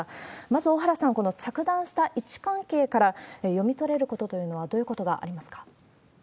まず、小原さん、この着弾した位置関係から読み取れることというのは、どういうことがありますか？